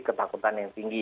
ketakutan yang tinggi